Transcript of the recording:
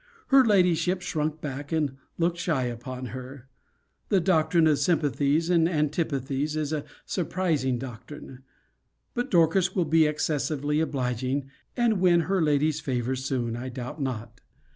Her ladyship shrunk back, and looked shy upon her. The doctrine of sympathies and antipathies is a surprising doctrine. But Dorcas will be excessively obliging, and win her lady's favour soon, I doubt not.